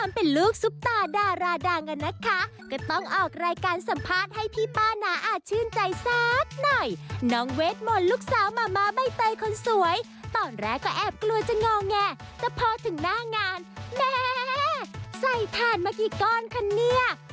โปรดติดตามตอนต่อไป